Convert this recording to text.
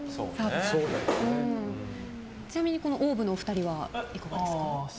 ちなみにＯＷＶのお二人はいかがですか？